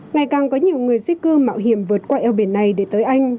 ngày càng có nhiều người di cư mạo hiểm vượt qua eo biển này để tới anh